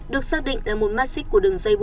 được xác định là một mắt xích của đường dây bốn